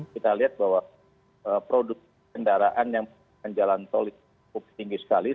kita lihat bahwa produk kendaraan yang menggunakan jalan tol itu cukup tinggi sekali